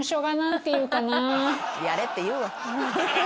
はい。